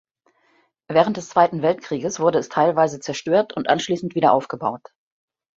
Während des Zweiten Weltkrieges wurde es teilweise zerstört und anschließend wieder aufgebaut.